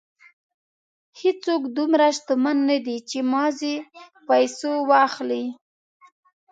هېڅوک دومره شتمن نه دی چې ماضي په پیسو واخلي.